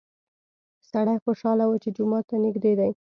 سړی خوشحاله و چې جومات ته نږدې دی.